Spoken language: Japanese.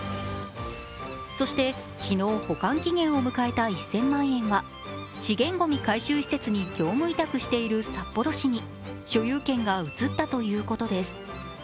そして昨日保管期限を迎えた１０００万円が資源ごみ回収施設に業務委託している札幌市に所有権が移ったということです。